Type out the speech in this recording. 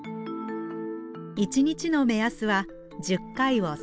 １日の目安は１０回を３セット。